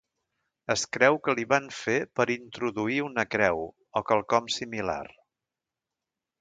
Es creu que li van fer per introduir una creu o quelcom similar.